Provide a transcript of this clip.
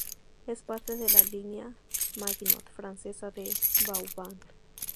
Es parte de la Línea Maginot francesa de Vauban.